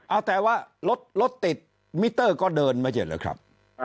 เอาแต่ว่ารถติดมิเตอร์ก็เดินมาเจอเลยครับ